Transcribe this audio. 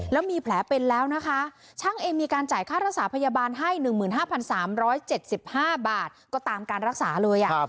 แล้วมีแผลเป็นแล้วนะคะช่างเองมีการจ่ายค่ารักษาพยาบาลให้๑๕๓๗๕บาทก็ตามการรักษาเลย